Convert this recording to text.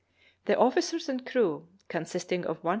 The officers and crew, consisting of 105 souls